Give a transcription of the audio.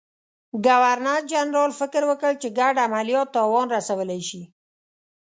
ګورنرجنرال فکر وکړ چې ګډ عملیات تاوان رسولای شي.